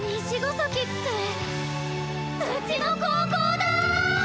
うちの高校だー！